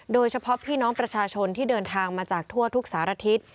โดยเฉพาะพี่น้องประชาชนที่เดินทางมาจากทั่วทุกสารทิศ